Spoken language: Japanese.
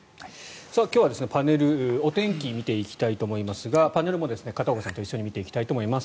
今日はパネル、お天気を見ていきたいと思いますがパネルも片岡さんと一緒に見ていきたいと思います。